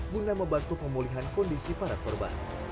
guna membantu pemulihan kondisi para korban